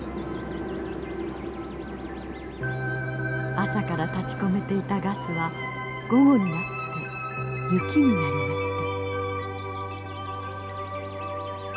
朝から立ちこめていたガスは午後になって雪になりました。